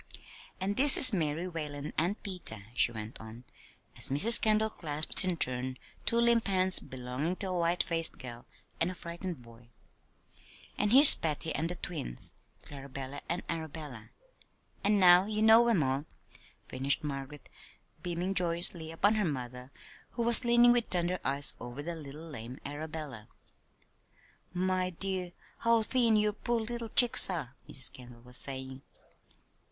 "And this is Mary Whalen, and Peter," she went on, as Mrs. Kendall clasped in turn two limp hands belonging to a white faced girl and a frightened boy. "And here's Patty and the twins, Clarabella and Arabella; and now you know 'em all," finished Margaret, beaming joyously upon her mother who was leaning with tender eyes over the little lame Arabella. "My dear, how thin your poor little cheeks are," Mrs. Kendall was saying.